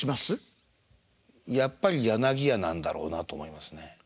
やっぱり柳家なんだろうなと思いますね。